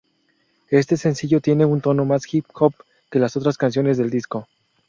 Este sencillo tiene un tono más hip hop que las otras canciones del disco.